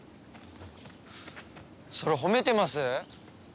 それ褒めてます？